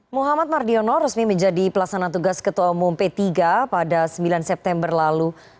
muhammad mardiono resmi menjadi pelaksana tugas ketua umum p tiga pada sembilan september lalu